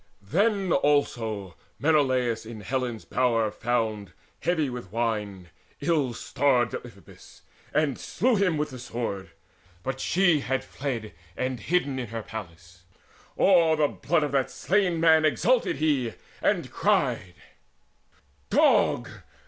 Then also Menelaus in Helen's bower Found, heavy with wine, ill starred Deiphobus, And slew him with the sword: but she had fled And hidden her in the palace. O'er the blood Of that slain man exulted he, and cried: "Dog!